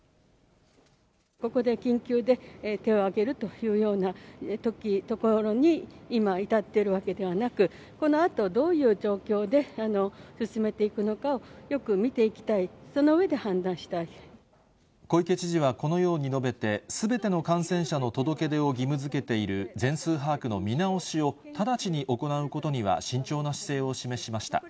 ここで緊急で、手を挙げるというようなところに、今、至っているわけではなく、このあと、どういう状況で進めていくのかよく見ていきたい、その上で判断し小池知事はこのように述べて、すべての感染者の届け出を義務づけている全数把握の見直しを、直ちに行うことには慎重な姿勢を示しました。